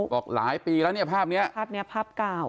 บอกหลายปีแล้วเนี่ยภาพนี้ภาพนี้ภาพเก่า